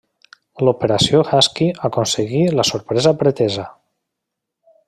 L'Operació Husky aconseguí la sorpresa pretesa.